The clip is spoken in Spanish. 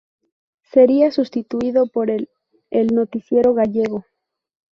Sería sustituido por el "El Noticiero Gallego".